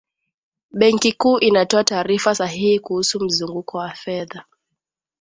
benki kuu inatoa taarifa sahihi kuhusu mzunguko wa fedha